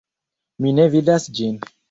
Mi ne vidas ĝin.